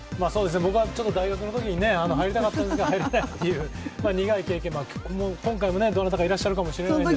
僕は大学のときに入りたかったんですけど、入れないという苦い経験もあって、今回もどなたかいらっしゃるかもしれませんが。